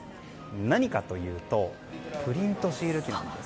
何かというとプリントシール機なんです。